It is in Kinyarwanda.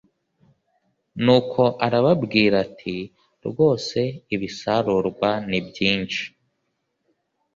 Nuko arababwira ati “rwose ibisarurwa ni byinshi”